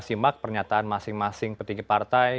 simak pernyataan masing masing petinggi partai